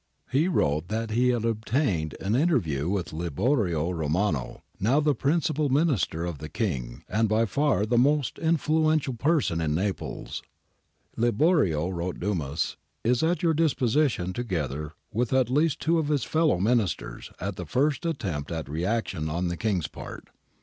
He wrote that he had obtained an inter view with Liborio Romano, now the principal Minister of the King and by far the most influential person in Naples.^ ' Liborio,' wrote Dumas, * is at your disposition, together with at least two of his fellow Ministers, at the first attempt at reaction on the King's part.